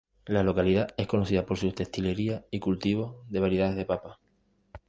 La localidad es conocida por su textilería y cultivo de variedades de papa.